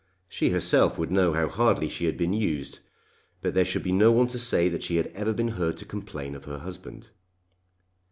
She herself would know how hardly she had been used; but there should be no one to say that she had ever been heard to complain of her husband.